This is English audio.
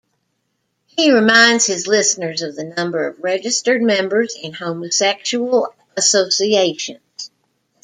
He reminds his listeners of the number of registered members in homosexual associations.